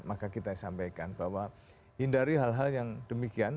maka kita sampaikan bahwa hindari hal hal yang demikian